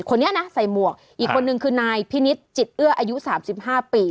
คนนี้นะใส่หมวกอีกคนนึงคือนายพินิษฐ์จิตเอื้ออายุ๓๕ปี